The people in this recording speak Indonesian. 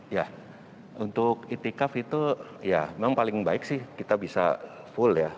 ya untuk itikaf itu ya memang paling baik sih kita bisa full ya